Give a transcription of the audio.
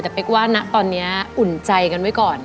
แต่เป๊กว่านะตอนนี้อุ่นใจกันไว้ก่อน